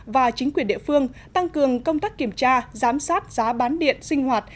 và chính quyền địa phương tăng cường công tác kiểm tra giám sát giá bán điện sinh hoạt